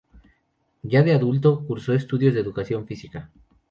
Ya de adulto, cursó estudios de educación física.